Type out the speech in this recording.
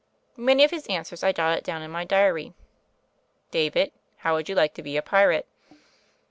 Many of his answers I jotted down in my diary. "David, how would like to bie a pirate